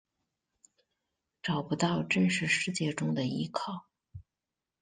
找不到真实世界中的依靠